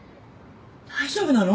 大丈夫なの？